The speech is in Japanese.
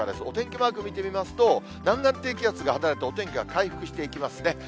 お天気マーク見てみますと、南岸低気圧が働いて、お天気は回復していきますね。